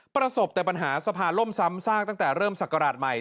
ประสบแต่ปัญหาสภาล่มซ้ำซากตั้งแต่เริ่มศักราชใหม่